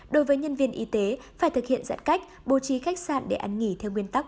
đối với nhân viên y tế phải thực hiện giãn cách bố trí khách sạn để ăn nghỉ theo nguyên tắc